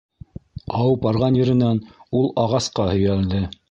- Ауып барған еренән ул ағасҡа һөйәлде.